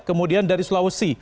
kemudian dari sulawesi